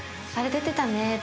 「あれ出てたね」